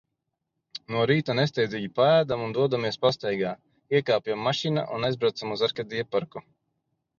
No rīta nesteidzīgi paēdam un dodamies pastaigā. Iekāpjam mašīna un aizbraucam uz Arkādija parku.